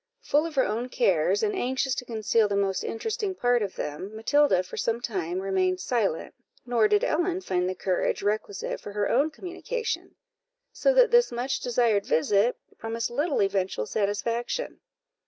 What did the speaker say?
Full of her own cares, and anxious to conceal the most interesting part of them, Matilda for some time remained silent, nor did Ellen find the courage requisite for her own communication; so that this much desired visit promised little eventual satisfaction.